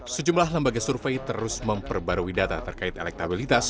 sejumlah lembaga survei terus memperbarui data terkait elektabilitas